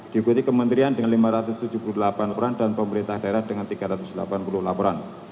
diikuti kementerian dengan lima ratus tujuh puluh delapan orang dan pemerintah daerah dengan tiga ratus delapan puluh laporan